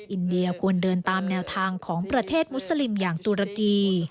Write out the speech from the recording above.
อินเดียควรเดินตามแนวทางของประเทศมุสลิมอย่างตุรกี